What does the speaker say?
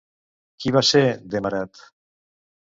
Qui va ser Demarat?